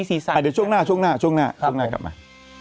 คือที่หมายข่าวเนี้ยเดี๋ยวโชคหน้าโชคหน้าโชคหน้าข้าวโชคหน้ากลับมา